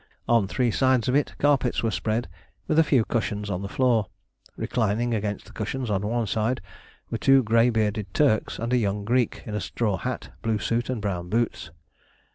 On three sides of it carpets were spread, with a few cushions on the floor. Reclining against the cushions on one side were two grey bearded Turks, and a young Greek in a straw hat, blue suit, and brown boots.